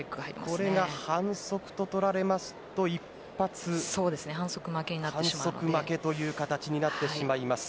これが反則と取られると一発で反則負けという形になってしまいます。